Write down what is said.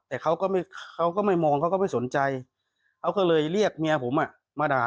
แต่เขาก็ไม่มองเขาก็ไม่สนใจเขาก็เลยเรียกเมียผมมาด่า